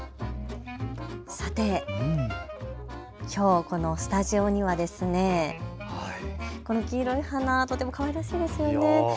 きょうスタジオには黄色い花、とてもかわいらしいですね。